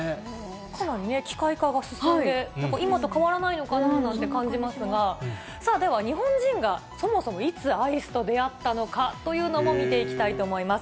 かなり機械化が進んで、今と変わらないのかなと感じますが、さあ、では日本人がそもそもいつ、アイスと出会ったのかというのも見ていきたいと思います。